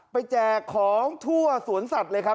แจกของทั่วสวนสัตว์เลยครับ